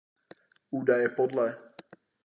Údaje podle.